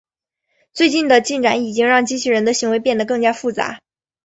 最近的进展已经让机器人的行为变成更加复杂。